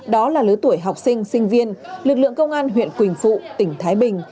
đó là lứa tuổi học sinh sinh viên lực lượng công an huyện quỳnh phụ tỉnh thái bình